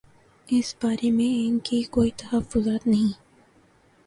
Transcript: اس بارے میں ان کے کوئی تحفظات نہیں۔